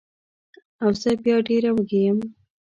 او زه بیا ډېره وږې یم